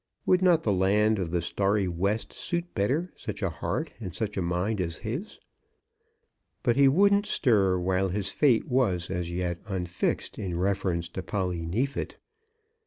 Would not the land of the starry west suit better such a heart and such a mind as his? But he wouldn't stir while his fate was as yet unfixed in reference to Polly Neefit.